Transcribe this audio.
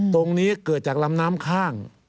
ตรงนี้เกิดจากลำน้ำข้าง